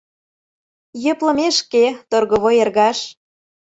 Йӧплымешке, торговой эргаш